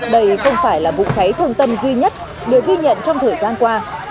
đây không phải là vụ cháy thương tâm duy nhất được ghi nhận trong thời gian qua